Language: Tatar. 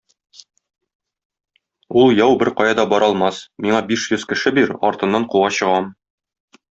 Ул яу беркая да бара алмас, миңа биш йөз кеше бир, артыннан куа чыгам.